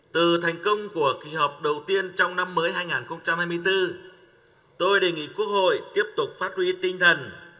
từ thành công của kỳ họp đầu tiên trong năm mới hai nghìn hai mươi bốn tôi đề nghị quốc hội tiếp tục phát huy tinh thần